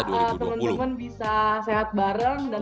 semoga teman teman bisa sehat bareng